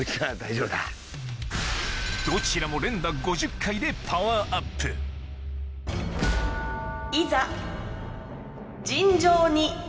どちらも連打５０回でパワーアップいざ。